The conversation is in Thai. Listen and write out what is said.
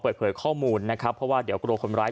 เปิดเผยข้อมูลนะครับเพราะว่าเดี๋ยวกลัวคนร้าย